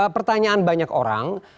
pertanyaan banyak orang